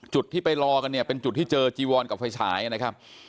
จุดที่ไปรอกันเนี่ยเป็นจุดที่เจอจีวอนกับไฟฉายนะครับ